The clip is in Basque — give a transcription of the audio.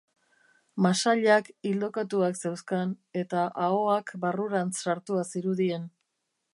Masailak ildokatuak zeuzkan, eta ahoak barrurantz sartua zirudien.